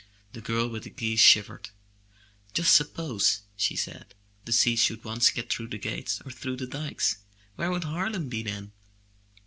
*' The girl with the geese shivered. "Just suppose, she said, "the sea should once get through the gates or through the dikes! Where would Harlem be then?